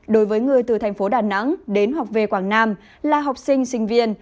đối với người từ thành phố đà nẵng đến hoặc về quảng nam là học sinh sinh viên